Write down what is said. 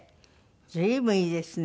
随分いいですね。